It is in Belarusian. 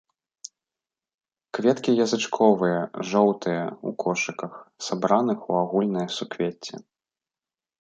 Кветкі язычковыя, жоўтыя, у кошыках, сабраных у агульнае суквецце.